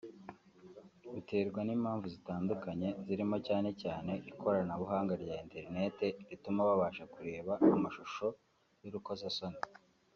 biterwa n’impamvu zitandukanye zirimo cyane cyane ikoranabuhanga rya internet rituma babasha kureba amashusho y’urukozasoni